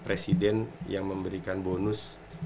presiden yang memberikan bonus